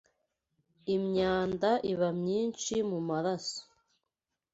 imyanda iba myinshi mu maraso